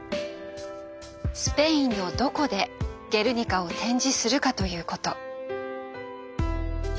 スペインのどこで「ゲルニカ」を展示するかということ。